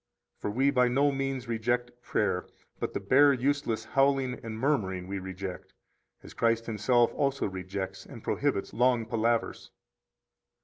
For we by no means reject prayer, but the bare, useless howling and murmuring we reject, as Christ Himself also rejects and prohibits long palavers.